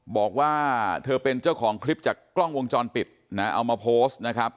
บอกว่าเธอเป็นเจ้าของคลิปจากกล้องวงจรปิดนะเอามาโพสต์นะครับ